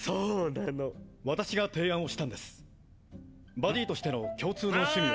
バディとしての共通の趣味を。